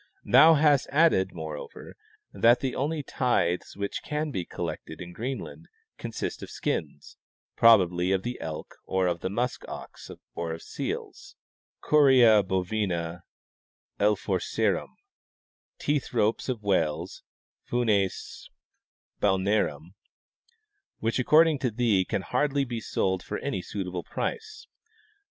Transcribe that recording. Thou hast added, moreover, that the only tithes which can be collected in Greenland consist of skins (probably) of the elk or of the musk ox or of seals (coria hovina elphocerum), teeth ropes of whales (Junes halnearum), which, according to thee, can hardly be sold for any suitable price.